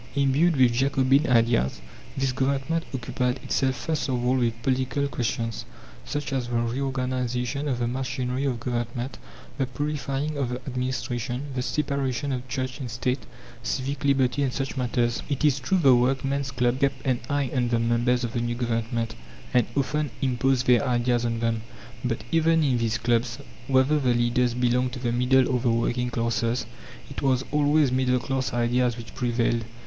Imbued with Jacobin ideas, this Government occupied itself first of all with political questions, such as the reorganization of the machinery of government, the purifying of the administration, the separation of Church and State, civic liberty, and such matters. It is true the workmen's clubs kept an eye on the members of the new Government, and often imposed their ideas on them. But even in these clubs, whether the leaders belonged to the middle or the working classes, it was always middle class ideas which prevailed.